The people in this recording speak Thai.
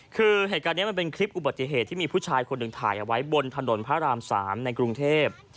คือเหตุการณ์นี้มันเป็นคลิปอุบัติเหตุที่มีผู้ชายคนหนึ่งถ่ายเอาไว้บนถนนพระราม๓ในกรุงเทพ